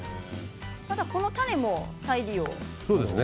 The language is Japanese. この種も再利用ですね。